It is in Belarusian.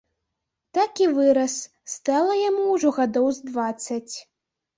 Так і вырас, стала яму ўжо гадоў з дваццаць.